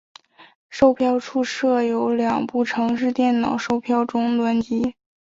售票处设有两部城市电脑售票终端机。